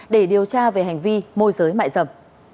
để điều tra về hành vi môi giới mại dâm